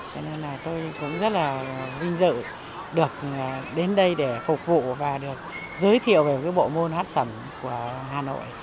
cho nên là tôi cũng rất là vinh dự được đến đây để phục vụ và được giới thiệu về cái bộ môn hát sầm của hà nội